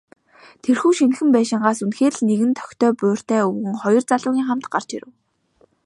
Тэрхүү шинэхэн байшингаас үнэхээр л нэгэн тохитой буурьтай өвгөн, хоёр залуугийн хамт гарч ирэв.